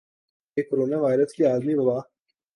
کہ corona virus کی عالمی وبا